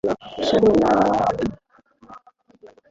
তখন আমিই এর সমাধানের জন্য, মহল বিক্রি করে দেই।